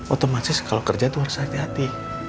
otomatis kalau kerja itu harus hati hati